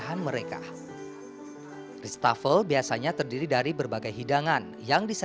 ruang sukarno dikatakan sebagai ruang utama